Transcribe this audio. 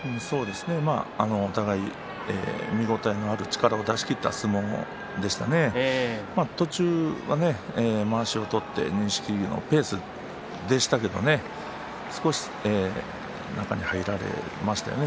お互い見応えのある力のある相撲でしたが途中はまわしを取って錦木のペースでしたけれども少し中に入られましたね。